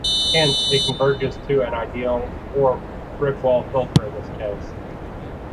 Hence, it converges to an ideal or brick-wall filter in this case.